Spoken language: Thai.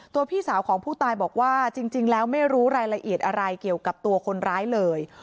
พี่สาวของผู้ตายบอกว่าจริงแล้วไม่รู้รายละเอียดอะไรเกี่ยวกับตัวคนร้ายเลย